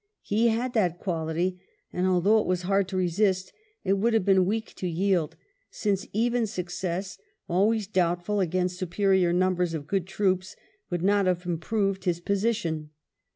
He had that quality; and, although it was hard to resist^ it would have been weak to yield, since even success, always doubtful against superior numbers of good troops, would not have improved his position.